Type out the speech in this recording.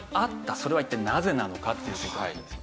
それは一体なぜなのか？っていう事なんですよ。